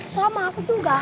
sama aku juga